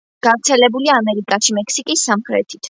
გავრცელებულია ამერიკაში, მექსიკის სამხრეთით.